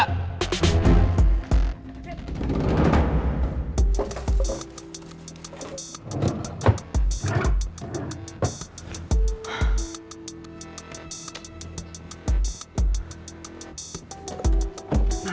ada di mana ya